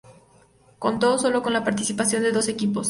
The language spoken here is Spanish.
Contó solo con la participación de doce equipos.